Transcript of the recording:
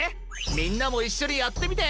みんなもいっしょにやってみて！